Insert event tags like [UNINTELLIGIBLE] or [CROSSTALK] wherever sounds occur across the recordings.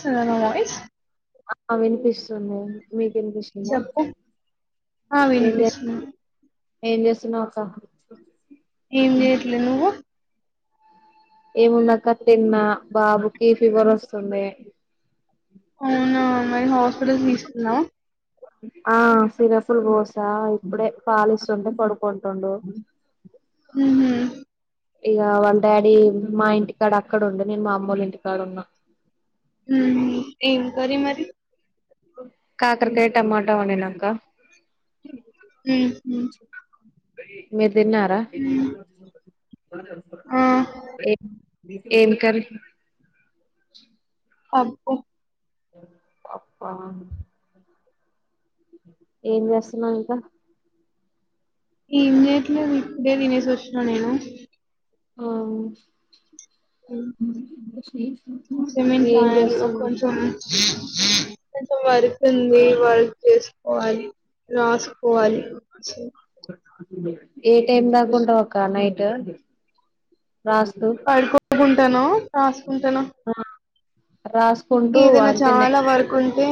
Sir వాళ్ళ వ స్ ఆ ఆ వినిపిస్తుంది మీకు వినిపిస్తుంద చెప్పు ఆ వినిపిస్తుంది ఏం చేస్తున్నా ఒక ఏం చేయట్లే నువ్వు ఏమున్నాక తిన్నా బాబుకి ఫీవర్ వస్తుంది హా మై హాస్పిటల్ తీసుకున్నా ఆ సిరఫుల్లు బోస ఇప్పుడే పాలిస్తుంటే పడుకుంటుండు ఉహ్రా ఇక వాళ్ళ డాడీ మా ఇంటికాడ అక్కడ ఉండ్య నేను మా అమ్మోళ్ల ఇంటికాడ ఉన్నా ఉఏం కర్రీ మరి కాకరకాయ్ టమాటా వండిన ఆక్కా ఉహ్రూ మీర్ తిన్నారా ఆ ఏం కర్రీ పప్పు పప్పా ఏం చేస్తున్నావ్ ఇంకా ఎమ్ చేయట్లేదు ఇప్పుడే తినేసి వచ్చిన నేన ఆ సెవెన్త్ ఏం చేస్తుంది ఫరయలకొంచం కొంచెం వర్క్ ఉంది వర్క్ చేస్కు పోవాలి రాస్కో పొవాలి ఏ టైమ్ దాకా ఉంటావ్ అక్క ఒక నైటు రాస్తూ ఉటాను రాసుకుంటాను ఆ రాసుకుంటూ ఏదైనా అంటే చాలా నైట్ వర్క్ ఉంటే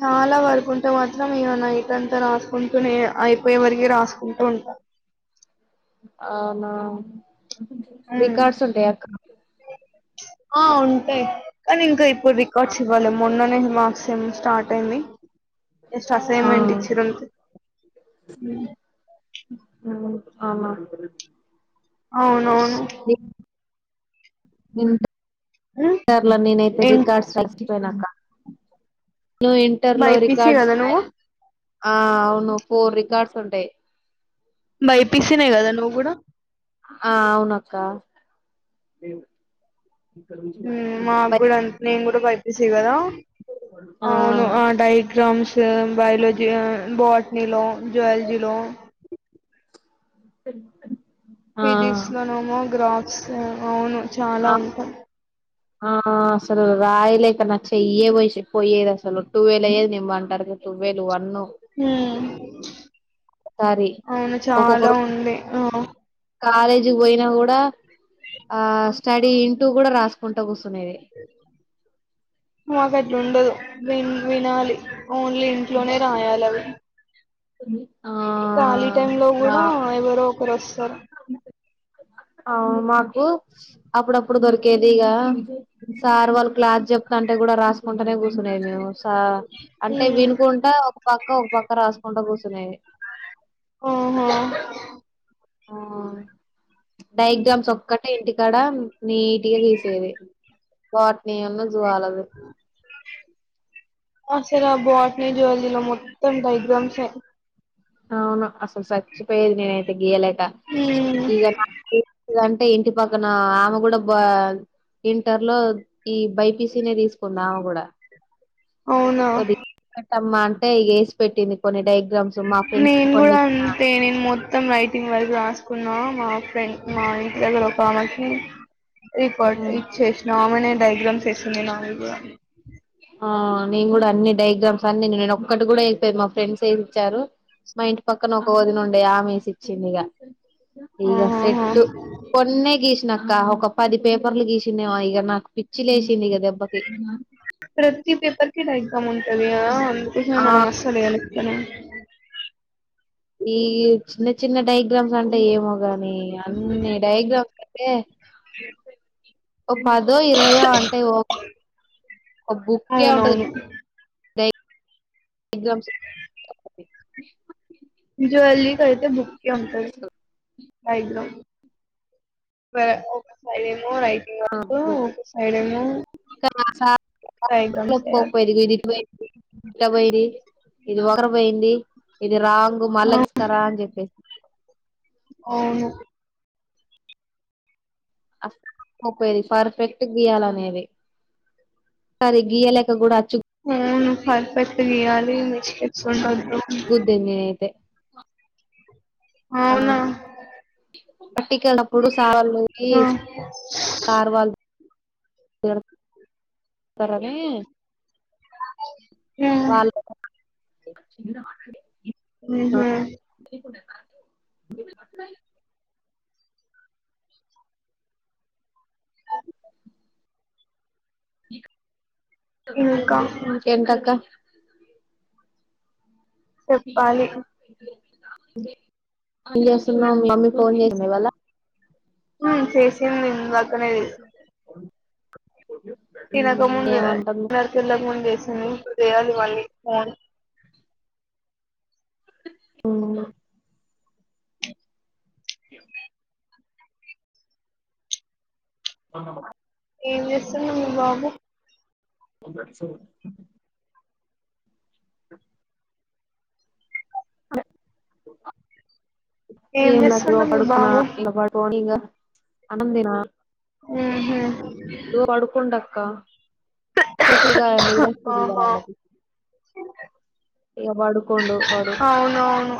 చాలా వరకు ఉంటే మాత్రం ఈ నైట్ అంతా రాసుకుంటూనే అయిపోయే వరకి రాసుకుంటూ ఉంటా అవునా ఉమ్ రికార్డ్స్ ఉంటాయా ఆ ఉంటాయ్ కానీ ఇంకా ఇప్పుడు రికార్ట్స్ ఇవ్వాల మొన్ననేమా సేమ్ స్టార్ట్ అయింది ఎక్స్ట్రా ఆ అసైన్మెంట్ ఇచ్చరా మీక్ అ మా అవును నవును ఉమ్ ఇంటర్లో నేనైతే ఏంటి రికార్డ్స్ రాసిపోయినాక్క టఇంటర్ లో బైపీసీ రికార్డ్స్ కదా ఉన్నాయ్ నువ్వు ఆ అవును ఫోర్ రికార్డ్స్ ఉంటాయ్ బైపిసి నే కదా నువ్ కూడా ఆ అవునక్క మాగూడా ఆ టె నేను కూడా బైపిసి కదా అవును ఆ డైగ్రామ్స్ బయలజీ బట్నీలో జువలాజీ లో ఆ ఫిజిక్స్ లోనేమో గ్రాఫ్స్ లో అవును చాలా అ ఉంటాయి ఆ అసలు రాయలేకా నా చెయ్య పోసి పోయేది అసలు టూవల్ అయ్యేది నిను పండటానికి టూవల్ వన్ ఊ సారి అవును చాలా ఉంది ఆ కాలేజీ పోయినా కూడా ఆ స్టడీ ఇంటూ కూడా రాసుకుంటా కూర్చు ఎ మాకు అట్లా ఉండదు విన్ వినాలి ఓన్లీ ఇంట్లోనే రాయాలి అవి ఆ ఖాళీ టైం లో కూడా ఎవరో ఒకరు వస్తారు ఆవ్ మా అప్పుడప్పుడు దొరికేది ఇగ సార్ వాళ్ళు క్లాస్ చెప్తంటే కూడా రాసు కుంటానే కూర్చున్నా మేము అంటే హ్మ్ వినుకుంటా ఒక పక్క ఒక పక్క రాసుకుంటా కూర్చ తునేది ఓహో ఆ డయాగ్రామ్స్ ఒక్కటే ఇంటికాడ నీట్ టిగ తీసేది బోటని ను జూవాలాజీ అసలు భోటనీ జువాలాజీ లో డయాగ్రామ్స్ ఏ అవును అసలు సచ్చిపోయేది నేనైతే గీయలేక హ్మ్ [UNINTELLIGIBLE] అంటే ఇంటి పక్కన ఆమె కూడా బ ఇంటర్ లో ఈ బైపీసీ నే తీసుకుంది ఆమె కూడా అవునా మ్మా అంటే ఇగ వేసి పెట్టింది కొన్ని డైయా నేను కూడా అంతే నేను మొత్తం రైటింగ్ వరకు రాసుకున్నా మా ఫ్రెండ్ మా ఇంటి దగ్గర ఒక ఆమెకి రికార్డ్ ఇచ్చేసిన ఆమెనే డయాగ్రామ్స్ వేసింది నావి కూడా ఆ నేను కూడా అన్ని డయాగ్రామ్స్ అన్ని నేను ఒక్కటి కూడా వేయలేదు మా ఫ్రెండ్స్ వేసి ఇచ్చారు మా ఇంటి పక్కన ఒక వదిన ఉండే ఆమె వేసి ఇచ్చింది ఇగ ఇగ సెట్ ఆహాహా. కొన్నే గీసిన అక్క ఒక పది పే పర్లు గీసిందేమో ఇగ నాకు పిచ్చి లేేసింది ఇగ దెబ్బకి ప్రతి పేపర్ కి డయాగ్రామ్ ఉంటది అందుకోసమే ఆ మనం అస్సలు వేయాలే కదా ఈ చిన్న చిన్న డైయ్ గ్రామ్స్ అంటే ఏమో గాని అన్ని డయాగ్రామ్స్ అంటే ఒక పదో ఇరవయో అంటే ఓ ఒక బుక్కే ఉంటది అవునవును ఎగ్జామ్స్ జూవాలాజీ కి అయితే బుక్కే ఉంటది డయాగ్రామ్ [UNINTELLIGIBLE] మోడ్ అయిపోయే వరకు ఒక సైడ్ ఏమో [INAUDIBLE] డయాగ్రామ్స్ ఇట్టా వేయాలి పోయిరీ ఇది ఒకరి పోయింది ఈ ఇది రాంగు ఆ, మళ్ళా గీసుకురా అని చెప్పేసి అవును అసలు ఒప్పక పోయేది పర్ఫెక్ట్ గీయాల అనేది అవును ఫర్ఫెక్ట్ గీయాలి [UNINTELLIGIBLE] [UNINTELLIGIBLE] నేను అయితే అవునా పట్టికెళ్ళనప్పుడు సార్ వాళ్ళు ఆ, పీస్ సారు వాళ్ళు పెళని ఆ. వాళ్ళు ఉహు [INAUDIBLE] ఇంకా ఇంకేంటి అక్క చెప్పాలి ఏం చేస్తునావ్? మీ మమ్మీ ఫోన్ చేసిన్ద ఇవాళ్ళ? ఉమ్ చేసింది ఇందకనే చేసింది. తినక మ్మ్ ముంద్ ఏమంటుంది ఇందాక తినకముందు చేసింది, ఇప్పుడు చేయాలి మళ్ళీ. ఫోన్ ఊ ధన్వా ఏం చేస్తుండు మీ బాబు? స ఏ ఏం నా చేస్తుండు మీ పడుకునా బాబు ఇవ పాడు అనంతనా ఊహూ ఇగ పడుకుండక్క చెప్పుడుగాయ నిద్రవస్తది ఆహా మరళ్ళకి ఇగ పడుకోండు వాడు అవునవును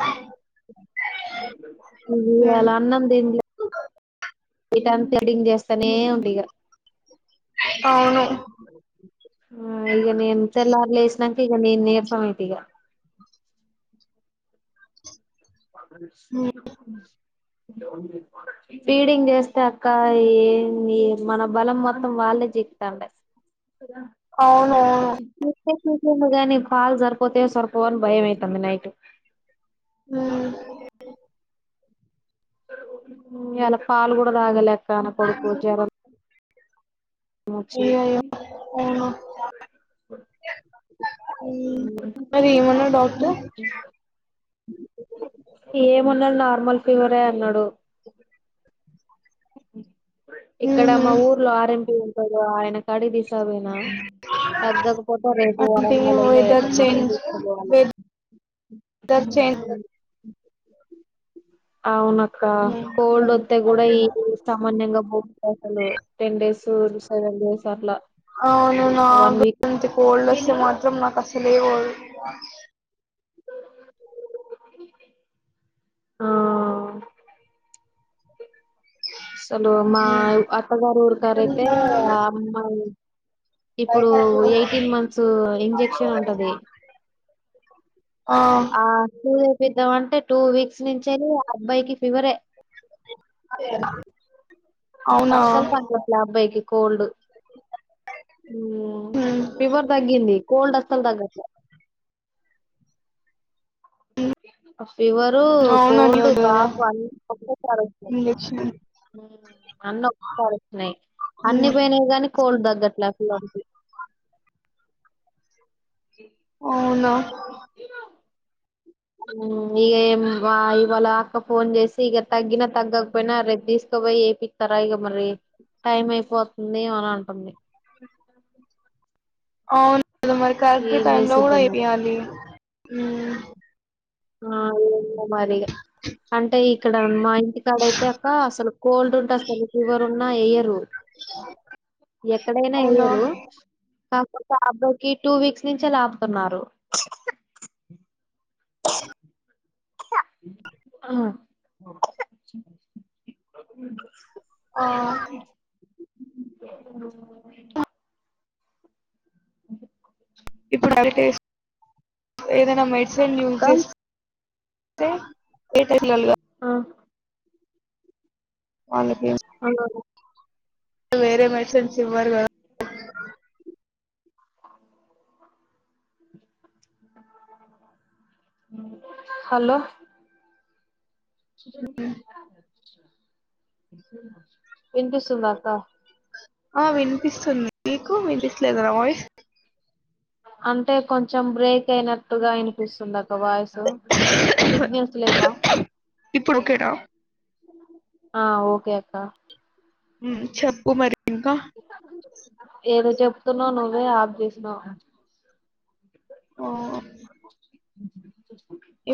ఇగ్ హ్మ్ ఇయ్యాల అన్నం దిన్లె టంత్ ఎడింగ్ చేస్తానే ఉండిగా. అవును ఆ ఇగ నేన్ తేల్లర్ లేసినంక, ఇగ నేన్ నీర్సమైతిగా. ఉమ్ ఫీడింగ్ చేస్తే అక్క. ఏం ఏ మన బలం మొత్తం వల్లే జిక్తండే. అవునవును చిక్తే చికెండు గాని, పాలు సరిపోతయో, సరిపోవని భయం అయితంది నైట్. ఉమ్ ఊ ఇయ్యాల పాలు కూడా తాగలేెక్క. నా కొడుకు జరం అయ్యయ్యో వచ్చిన్ది ఉమ్ మరి ఏమన్నార్ డాక్టర్? ఏమ్మున్నాది. నార్మల్ ఫీవరే అన్నాడు. ఇక్కడ ఊహూ మా ఊర్లో ఆర్. ఎం. పి ఉంటడు. ఆయన కడిదిశవైనా తగ్గకపోతే రేపు అంటే వరంగల్ ఇగ వెదర్ ఏటన్న చేంజ్ తీస్కపోవాల. వెదర్ చేంజ్ [UNINTELLIGIBLE] అవునా క్కా హ్మ్ కోల్డ్స్తే కూడా ఈ సామాన్యంగా, బోవాట్లే అసలు టెన్ డేస్. సెవెన్ డేస్ అట్లా అవును వన్ వీక్ నాగుడంతే కోల్డ్ వస్తె మాత్రం. నాకసల్ లేపోవ్ ఆ అసలు మా అత్తగారు ఊరికరైతే. ఆ అమ్మాయి ఇప్పుడు ఎయిటీన్ మంత్స్, ఇంజెక్షన్ ఉంటది. ఆ సుధేపిద్దాం అంటే. టూ వీక్స్ నుంచేలి ఆ అబ్బాయికి ఫీవరే అవునా అసల్ తగ్గట్ల అబ్బాయికి కోల్డ్, ఉమ్, ఫీవర్ తగ్గింది. కోల్డ్ అసాల్ దగ్గట్లే ఫీవరు, అవునా కోల్డ్, నీవద్దు కదా కాఫు అన్ని ఒకటేసారి వచ్చినయ్ ఇంజెక్షన్ ఉమ్ అన్న ఒకసారి వచ్చినయ్, ఉమ్, అన్ని పోయినాయి గాని. కోల్డ్ దగ్గట్లాసాలే వాడికి అవునా ఉమ్ ఇగేం వాల్ వాళ్ళ అక్క ఫోన్ చేసి, ఇగ తగ్గిన, తగ్గకపోయినా రేపు తీసుక్ పోయ్ ఏపితారా ఇగ మరి టైం అయిపోతుంది. అనంటుంది. అవునుగాదా మరి కరెక్ట్ ఏం టైం లో చేసిద్దో మరి వేపియాలి. ఉమ్ ఆ ఉండు మరిగా. అంటే ఇక్కడ, మా ఇంటికాడైతే అక్క, అసలు కోల్డ్ ఉంటే అసలు ఫీవర్ ఉన్నా ఎయ్యరు. ఎక్కడైనా అవునా ఎయ్యలు. పాపా కి టూ వీక్స్ నుంచే లాపుతున్నారు. ఆ మ ఆ, ఇప్పుడు హరిటేస్, ఏదైనా మెడిసన్ యూస్ అక్క చేస్. [UNINTELLIGIBLE] ఆ. వాళ్ల గేమ్స్. ఆ, వేరే మెడిసన్స్ ఇవ్వరు గద. హలో. చికెన్ కిప్స్. వినిపిస్తుందా అంత. ఆ వినిపిస్తుంది, మీకు, వినిపిస్తలేదా నా వాయిస్. అంటే కొంచెం బ్రేక్ అయినట్టుగా, ఇనిపిస్తుందక్కా వాయిసు. సిగ్నల్స్ లేవ్వ. ఇప్పుడు ఒకేన. ఆ ఓకే అక్క. ఉ చెప్పు మరి. ఇంకా ఎం జెప్తున్నావు, నువ్వే ఆప్ జెసినావు. ఓ.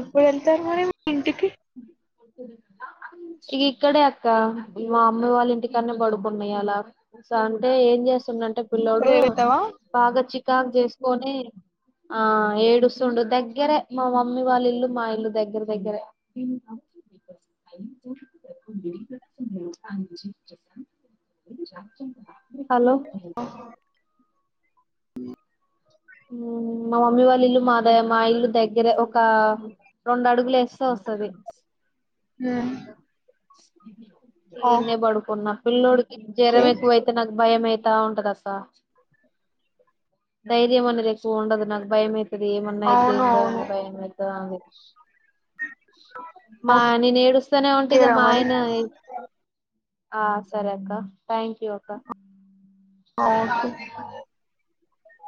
ఎప్పుడు ఎళ్తారు, మరి మీ ఇంటికి. ఇక ఇక్కడే అక్క, మా అమ్మి వాళ్ళ ఇంటికనే బడుకున్న ఇయాలా, స అంటే ఏ. ఏం చేస్తుండంటే పిల్లోడు, రేపెళ్తావా బాగా చికాకు చేసుకొని. ఆ ఏడుస్తుండు దగ్గరే, మా మమ్మీ వాళ్ళ ఇల్లు, మా ఇల్లు దగ్గర దగ్గరే. అలో. ఉమ్ మమ్మీ వాళ్ళ ఇల్లు మా దే, మా ఇల్లు దగ్గేరే, ఒక రొండు అడుగులు లేస్తే వొస్త. సరే. ఉమ్. ఈన్నే ఓకే బడుకున్నా, పిల్లోడికి జెరం ఎక్కువైతే, నాకు భయం అయి. ఇంటా ఉంటదక్క ధైర్యం అనేది ఎక్కువ ఉండదు నాకు భయం. ఇక్కడ ఏమన్నా ఇయిటే అవును ఏందో అవును అని బయమైతది. మా నేను ఏడుస్తానే ఉంటా, ఓకే ఇగ రా మా మరి ఆయన ఎ. ఆ సరే అక్క, థ్యాంక్ యూ అక్క. ఆకె.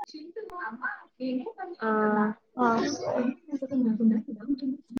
చితు అమ్ ఎ [UNINTELLIGIBLE] ఆమ్ జుం.